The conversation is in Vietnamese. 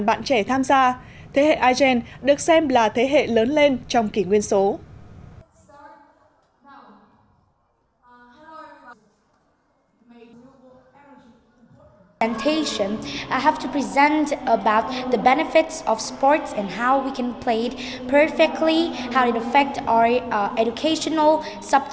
bạn trẻ tham gia thế hệ i gen được xem là thế hệ lớn lên trong kỷ nguyên số